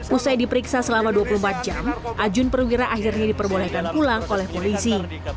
usai diperiksa selama dua puluh empat jam ajun perwira akhirnya diperbolehkan pulang oleh polisi